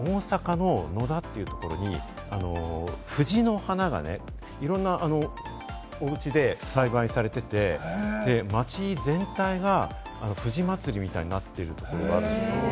大阪の野田というところに藤の花がね、いろんなおうちで栽培されていて、街全体が藤祭りみたいになってるところがあるんです。